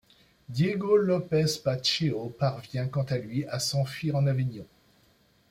Diogo Lopes Pacheco parvient quant à lui à s’enfuir en Avignon.